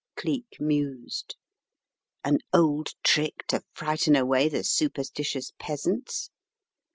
" Cleek mused. "An old trick to frighten away the superstitious peasants?